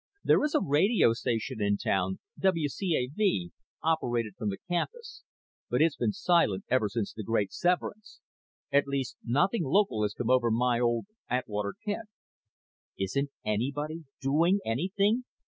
There is a radio station in town, WCAV, operated from the campus, but it's been silent ever since the great severance. At least nothing local has come over my old Atwater Kent." "Isn't anybody doing anything?"